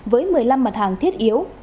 với một mươi năm mặt hàng thiết yếu